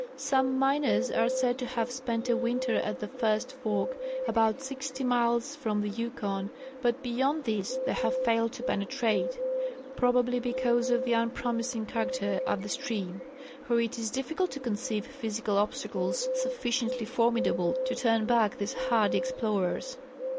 Some miners are said to have spent a winter at the first fork, about sixty miles from the Yukon, but beyond this they have failed to penetrate, probably because of the unpromising character of the stream, for it is difficult to conceive physical obstacles sufficiently for midable to turn back these hardy explorers.